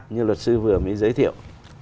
như luật sư vừa mới giới thiệu